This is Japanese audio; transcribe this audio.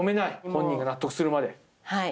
本人が納得するまはい。